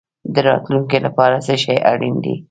د راتلونکي لپاره څه شی اړین دی؟